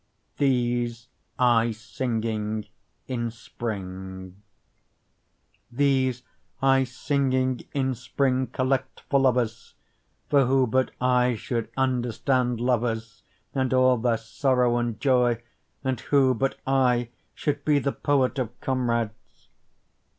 These I Singing in Spring These I singing in spring collect for lovers, (For who but I should understand lovers and all their sorrow and joy? And who but I should be the poet of comrades?)